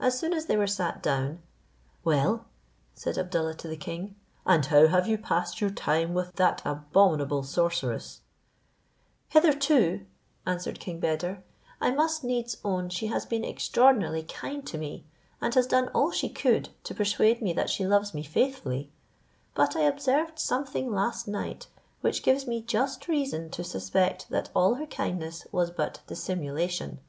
As soon as they were sat down, "well," said Abdallah to the king, "and how have you passed your time with that abominable sorceress" "Hitherto," answered King Beder, "I must needs own she has been extraordinarily kind to me, and has done all she could to persuade me that she loves me faithfully; but I observed something last night, which gives me just reason to suspect that all her kindness was but dissimulation.